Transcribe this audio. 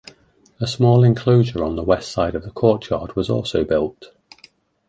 A small enclosure on the west side of the courtyard was also built.